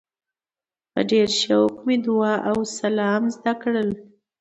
په ډېر شوق مې دعا او سلام زده کړل.